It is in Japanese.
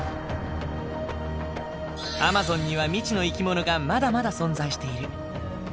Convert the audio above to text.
アマゾンには未知の生き物がまだまだ存在している。